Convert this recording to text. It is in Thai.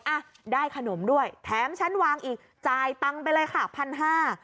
อ่ะได้ขนมด้วยแถมฉันวางอีกจ่ายตังค์ไปเลยค่ะพันห้า